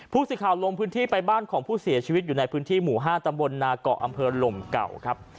ผู้สื่อข่าวลงพื้นที่ไปบ้านของผู้เสียชีวิตอยู่ในพื้นที่หมู่๕ตำบลนาเกาะอำเภอลมเก่าครับ